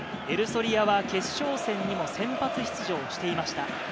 エルソリアは決勝戦にも先発出場していました。